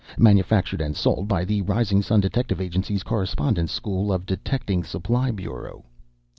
Manufactured and Sold by the Rising Sun Detective Agency's Correspondence School of Detecting Supply Bureau."